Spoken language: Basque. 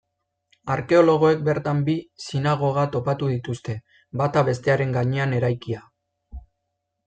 Arkeologoek bertan bi sinagoga topatu dituzte, bata bestearen gainean eraikia.